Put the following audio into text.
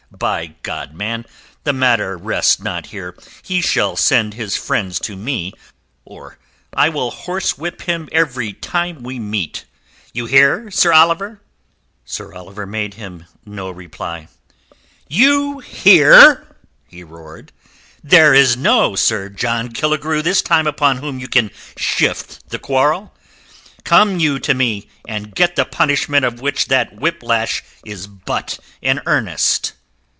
By God, man, the matter rests not here. He shall send his friends to me, or I will horse whip him every time we meet. You hear, Sir Oliver?" Sir Oliver made him no reply. "You hear?" he roared. "There is no Sir John Killigrew this time upon whom you can shift the quarrel. Come you to me and get the punishment of which that whiplash is but an earnest."